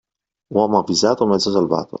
Uomo avvisato, mezzo salvato.